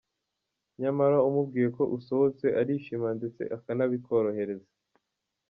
Nyamara umubwiye ko usohotse arishima ndetse akanabikorohereza.